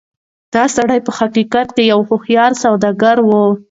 دا سړی په حقيقت کې يو هوښيار سوداګر و.